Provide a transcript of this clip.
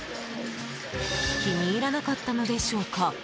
気に入らなかったのでしょうか？